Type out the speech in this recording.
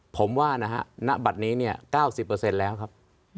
ผมว่านะฮะณบัตรนี้เนี่ย๙๐แล้วครับ